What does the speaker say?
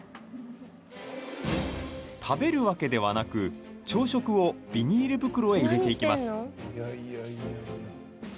食べるわけではなく、朝食をビニール袋へ入れていきます。